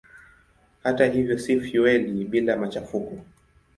Hata hivyo si fueli bila machafuko.